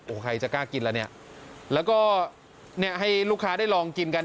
โอ้โหใครจะกล้ากินแล้วเนี่ยแล้วก็เนี่ยให้ลูกค้าได้ลองกินกัน